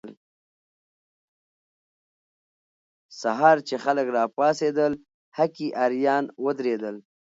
سهار چې خلک راپاڅېدل، هکي اریان ودرېدل.